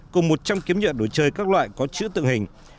cùng một trăm linh kiếm nhựa đồ chơi các loại có chữ tự hình